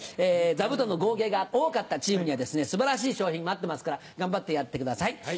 座布団の合計が多かったチームには素晴らしい賞品待ってますから頑張ってやってください。